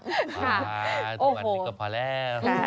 ที่นางนี้ก็พอแล้ว